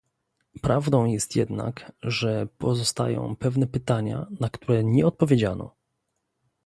Prawdą jest jednak, że pozostają pewne pytania, na które nie odpowiedziano